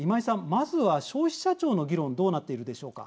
まずは消費者庁の議論どうなっているでしょうか。